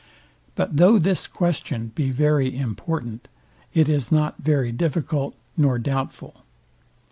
But though this question be very important, it is not very difficult nor doubtful.